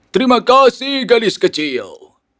terima kasih galis kecil